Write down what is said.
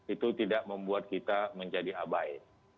itu tidak membuat kita menjadi abai